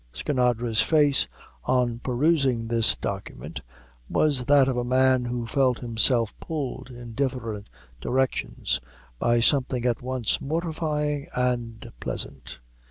Skinadre's face, on perusing this document, was that of a man who felt himself pulled in different directions by something at once mortifying and pleasant.